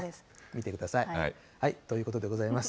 見てください。ということでございます。